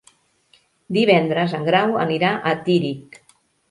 Divendres en Grau anirà a Tírig.